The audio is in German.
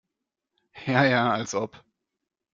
Ja ja, als ob!